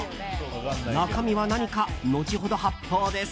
中身は何か後ほど発表です。